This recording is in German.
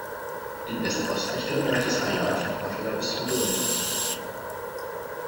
In West-Ost-Richtung reicht das Areal von Portugal bis zum Don.